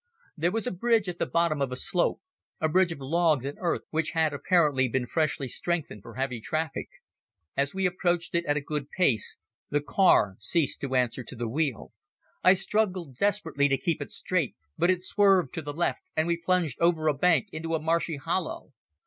There was a bridge at the bottom of a slope—a bridge of logs and earth which had apparently been freshly strengthened for heavy traffic. As we approached it at a good pace the car ceased to answer to the wheel. I struggled desperately to keep it straight, but it swerved to the left and we plunged over a bank into a marshy hollow.